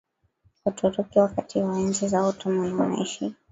Waturuki wakati wa enzi ya Ottoman Wanaishi